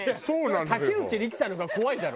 竹内力さんの方が怖いだろ！